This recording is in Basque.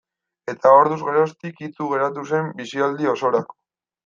Eta orduz geroztik itsu geratu zen bizialdi osorako.